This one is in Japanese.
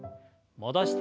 戻して。